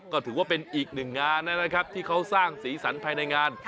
ก็ถือว่าเป็นอีกหนึ่งงานนะครับที่เขาสร้างสีสันภายในงาน